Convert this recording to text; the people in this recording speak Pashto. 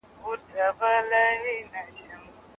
طالب حسين کندهارى مولوي قنلدر